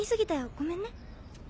ごめんね。